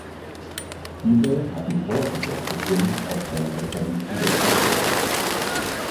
Diese hatten vor Saisonbeginn auch seinen älteren Bruder verpflichtet.